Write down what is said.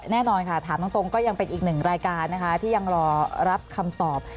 แน่นอนค่ะถามตรงก็ยังเป็นอีกหนึ่งรายการนะคะที่ยังรอรับคำตอบ